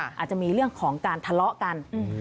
อาจจะมีเรื่องของการทะเลาะกัน